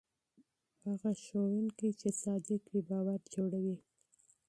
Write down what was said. هغه ښوونکی چې صادق وي باور جوړوي.